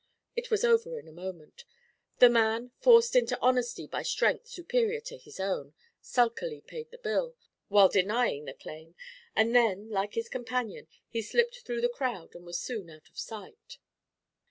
It was over in a moment. The man, forced into honesty by strength superior to his own, sulkily paid the bill, while denying the claim, and then, like his companion, he slipped through the crowd and was soon out of sight.